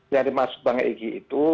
yang dimasukkan pak egi itu